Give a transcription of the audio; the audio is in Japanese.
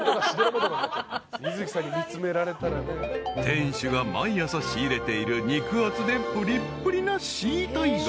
［店主が毎朝仕入れている肉厚でぷりっぷりな］